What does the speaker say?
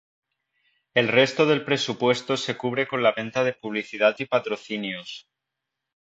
El resto del presupuesto se cubre con la venta de publicidad y patrocinios.